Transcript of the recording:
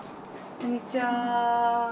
こんにちは。